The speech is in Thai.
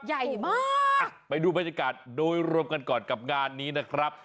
ใหญ่มากอ่ะไปดูบรรยากาศโดยรวมกันก่อนกับงานนี้นะครับ